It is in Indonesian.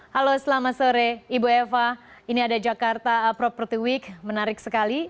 halo selamat sore ibu eva ini ada jakarta property week menarik sekali